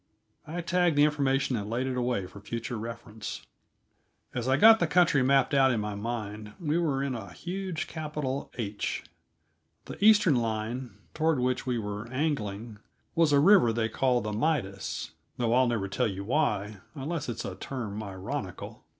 I tagged the information and laid it away for future reference. As I got the country mapped out in my mind, we were in a huge capital H. The eastern line, toward which we were angling, was a river they call the Midas though I'll never tell you why, unless it's a term ironical.